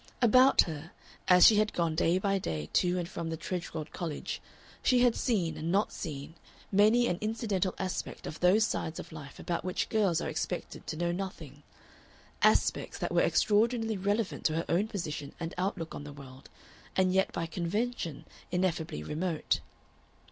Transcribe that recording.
About her, as she had gone day by day to and from the Tredgold College, she had seen and not seen many an incidental aspect of those sides of life about which girls are expected to know nothing, aspects that were extraordinarily relevant to her own position and outlook on the world, and yet by convention ineffably remote.